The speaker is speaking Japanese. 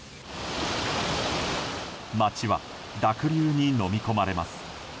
街は濁流にのみ込まれます。